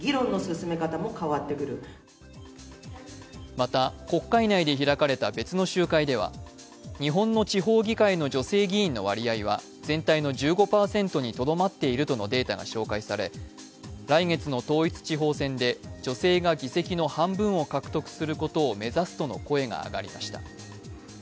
また国会内で開かれた別の集会では日本の地方議会の女性議員の割合は全体の１５％にとどまっているとのデータが紹介され来月の統一地方選で女性が議席の半分を獲得することを目指すとの声が上がりました。